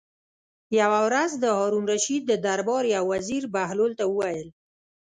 یوه ورځ د هارون الرشید د دربار یو وزیر بهلول ته وویل.